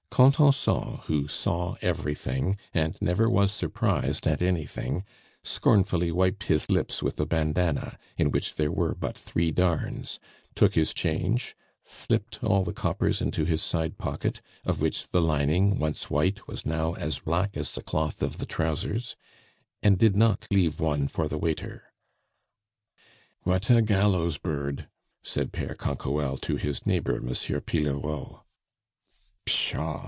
Contenson, who saw everything and never was surprised at anything, scornfully wiped his lips with a bandana, in which there were but three darns, took his change, slipped all the coppers into his side pocket, of which the lining, once white, was now as black as the cloth of the trousers, and did not leave one for the waiter. "What a gallows bird!" said Pere Canquoelle to his neighbor Monsieur Pillerault. "Pshaw!"